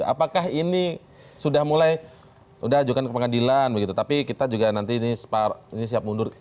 apakah ini sudah mulai sudah ajukan ke pengadilan begitu tapi kita juga nanti ini siap mundur